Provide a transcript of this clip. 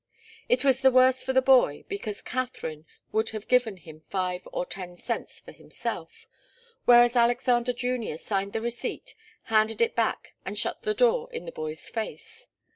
It was the worse for the boy, because Katharine would have given him five or ten cents for himself, whereas Alexander Junior signed the receipt, handed it back and shut the door in the boy's face.